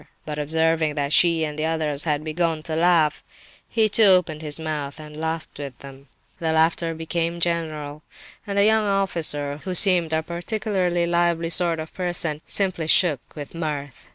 But observing that she and the others had begun to laugh, he too opened his mouth and laughed with them. The laughter became general, and the young officer, who seemed a particularly lively sort of person, simply shook with mirth.